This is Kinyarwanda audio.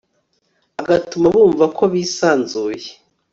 agatuma bumva ko bisanzuye